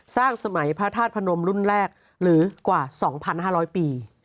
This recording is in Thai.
สมัยพระธาตุพนมรุ่นแรกหรือกว่า๒๕๐๐ปี